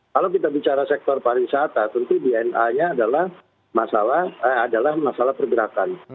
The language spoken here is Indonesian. kalau kita bicara sektor pariwisata tentu dna nya adalah masalah adalah masalah pergerakan